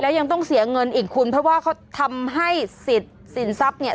ยังต้องเสียเงินอีกคุณเพราะว่าเขาทำให้สิทธิ์สินทรัพย์เนี่ย